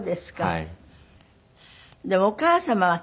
はい。